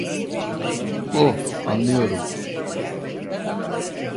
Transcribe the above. Oh, anlıyorum.